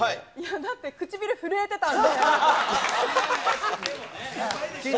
だって、唇震えてたんで。